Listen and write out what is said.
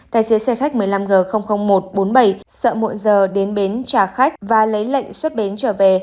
tài xế xe khách một mươi năm g một trăm bốn mươi bảy sợ muộn giờ đến bến trả khách và lấy lệnh xuất bến trở về